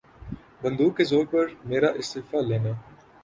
بندوق کے زور پر میرا استعفیٰ لینے